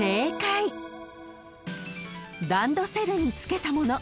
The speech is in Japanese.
［ランドセルにつけたもの。